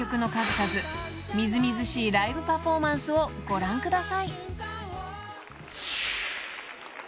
［みずみずしいライブパフォーマンスをご覧ください］